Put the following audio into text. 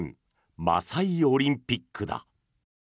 マサイ・オリンピックだ。